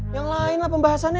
yang lain lah pembahasannya